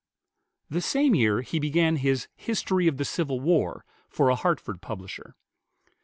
The same year he began his "History of the Civil War" for a Hartford publisher.